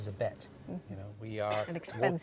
ini adalah jangkaan